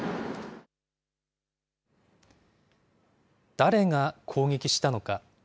誰が攻撃したのか。